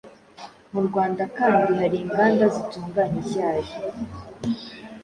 Mu Rwanda kandi hari inganda zitunganya icyayi;